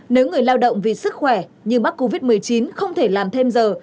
nếu người lao động vì sức khỏe nhưng mắc covid một mươi chín không thể làm thêm giờ